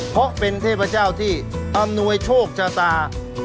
เพราะเป็นเทพเจ้าที่อำนวยโชคชะตา